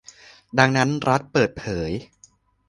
ดังนั้นรัฐเปิดเผย